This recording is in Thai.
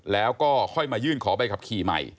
แล้วก็ค่อยมายื่นขอใบขับขี่ใหม่